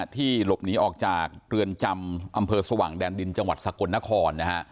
ที่หลบหนีออกจากเรือนจำอำเภอสว่างแดนดินจังหวัดสกลนคร